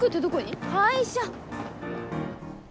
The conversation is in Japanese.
会社！